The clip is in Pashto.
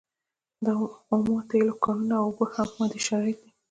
د اومو تیلو کانونه او اوبه هم مادي شرایط دي.